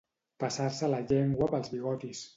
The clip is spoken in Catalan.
Passar-se la llengua pels bigotis.